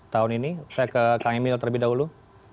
tahun ini saya ke kang emil terlebih dahulu